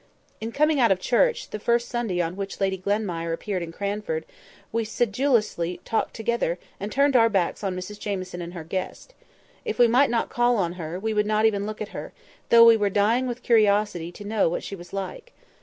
In coming out of church, the first Sunday on which Lady Glenmire appeared in Cranford, we sedulously talked together, and turned our backs on Mrs Jamieson and her guest. If we might not call on her, we would not even look at her, though we were dying with curiosity to know what she was like.